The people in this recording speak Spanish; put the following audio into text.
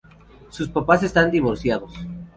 Sus papás están divorciados.